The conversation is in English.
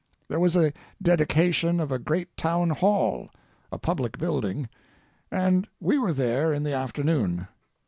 There was a dedication of a great town hall, a public building, and we were there in the afternoon.